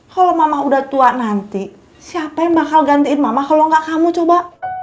kalau mama udah tua nanti siapa yang bakal gantiin mama kalau enggak kamu coba